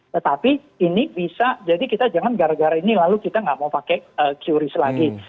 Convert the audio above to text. tetapi ini bisa jadi kita jangan gara gara ini lalu kita nggak mau pakai qris lagi